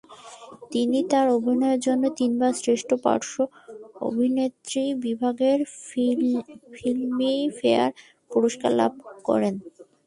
তিনি তার অভিনয়ের জন্য তিনবার শ্রেষ্ঠ পার্শ্ব অভিনেত্রী বিভাগে ফিল্মফেয়ার পুরস্কার লাভ করেন।